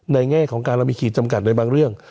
แง่ของการเรามีขีดจำกัดในบางเรื่อง